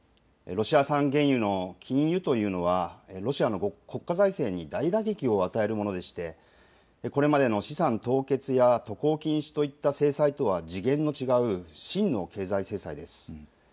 ロシア産原油の禁輸というのはロシアの国家財政に大打撃を与えるものでしてこれまでの資産凍結や渡航禁止といった制裁とは次元の違う真の経済制裁です。